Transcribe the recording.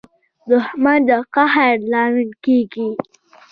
• دښمني د قهر لامل کېږي.